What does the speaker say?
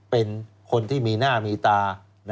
เป็นคนที่มีหน้ามีตา